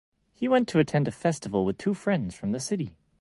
He went to attend a festival with two friends from the city.